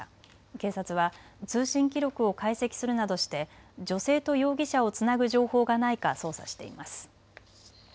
警察は通信記録を解析するなどして女性と容疑者をつなぐ情報がないか捜査しています。